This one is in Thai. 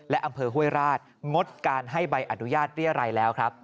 และอำเภอห้วยราชงดการให้ใบอนุญาตเรียรัยแล้วครับ